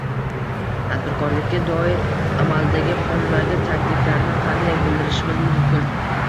Tadbirkorlikka doir amaldagi qonunlarga takliflarni qanday bildirishimiz mumkin?